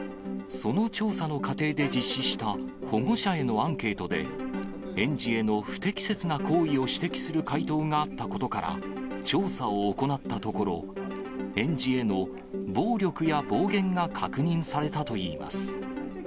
その調査の過程で実施した保護者へのアンケートで、園児への不適切な行為を指摘する回答があったことから、調査を行ったところ、園児への暴力や暴言が確認されたといいます。